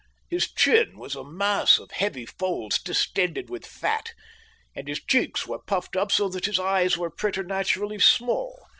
His chin was a mass of heavy folds distended with fat, and his cheeks were puffed up so that his eyes were preternaturally small.